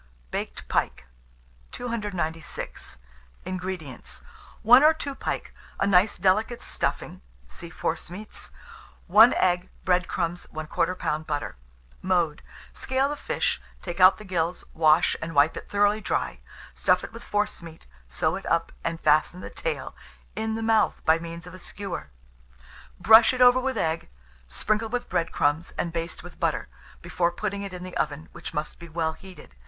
BAKED PIKE. 296. INGREDIENTS. 1 or 2 pike, a nice delicate stuffing (see Forcemeats), 1 egg, bread crumbs, 1/4 lb. butter. Mode. Scale the fish, take out the gills, wash, and wipe it thoroughly dry; stuff it with forcemeat, sew it up, and fasten the tail in the mouth by means of a skewer; brush it over with egg, sprinkle with bread crumbs, and baste with butter, before putting it in the oven, which must be well heated.